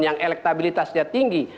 yang elektabilitasnya tinggi